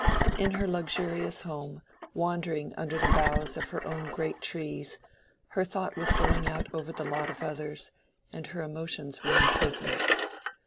In her luxurious home, wandering under the boughs of her own great trees, her thought was going out over the lot of others, and her emotions were imprisoned.